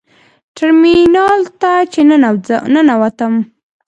ټرمینل ته چې ننوتم.